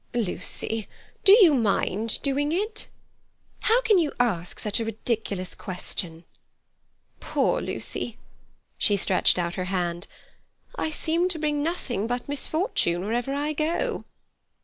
"Lucy, do you mind doing it?" "How can you ask such a ridiculous question?" "Poor Lucy—" She stretched out her hand. "I seem to bring nothing but misfortune wherever I go."